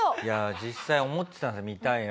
いや実際思ってたんですよ